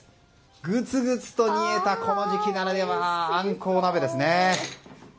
グツグツと煮えたこの時期ならではのあんこう鍋ですね。